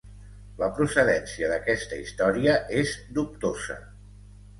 La procedència d'aquesta història és dubtosa.